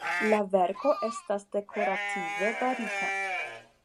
La verko estas dekorative barita.